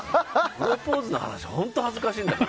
プロポーズの話本当恥ずかしいんだから。